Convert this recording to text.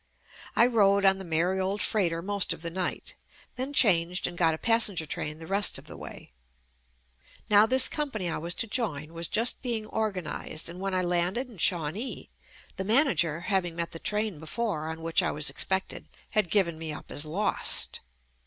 I rode on the merry old freighter most of the night, then changed and got a passenger train the rest of the way. Now this company I was to join was just being organized, and when I landed in Shawnee, the manager hav ing met the train before on which I was ex pected, had given me up as lost.